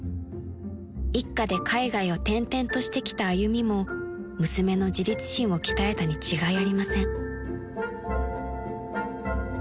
［一家で海外を転々としてきた歩みも娘の自立心を鍛えたに違いありません］